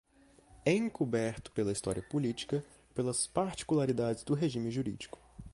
encoberto pela história política, pelas particularidades do regime jurídico